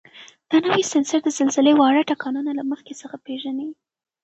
دا نوی سینسر د زلزلې واړه ټکانونه له مخکې څخه پېژني.